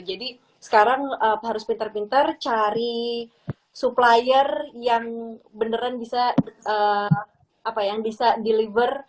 jadi sekarang harus pinter pinter cari supplier yang beneran bisa apa ya yang bisa deliver